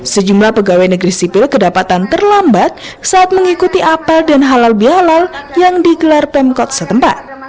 sejumlah pegawai negeri sipil kedapatan terlambat saat mengikuti apel dan halal bihalal yang digelar pemkot setempat